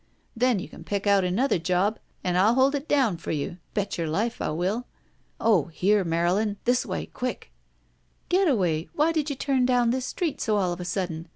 Then you can pick out another job and I'll hold it down for you. Bet your life I will — Oh — ^here, Marylin — ^this way — quick!" Getaway, why did you turn down this street so all of a sudden?